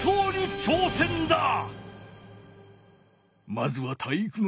まずは体育ノ